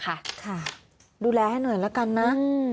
ค่ะดูแลให้หน่อยละกันนะ